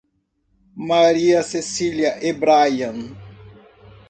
Maria Cecília e Bryan